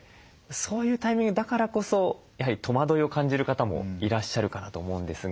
そういうタイミングだからこそやはり戸惑いを感じる方もいらっしゃるかなと思うんですが。